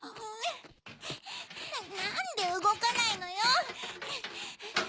・なんでうごかないのよ！